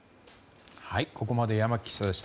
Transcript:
ここまで山木記者でした。